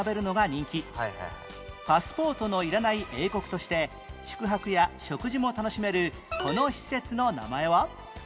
パスポートのいらない英国として宿泊や食事も楽しめるこの施設の名前は？